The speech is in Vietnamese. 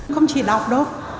không chỉ đọc đâu